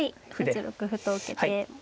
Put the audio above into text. はい８六歩と受けて。